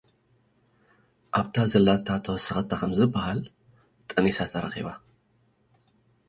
ኣብታ ዘላታ ተወሰኸታ ከምዝብሃል፡ ጠኒሳ ተረኺባ።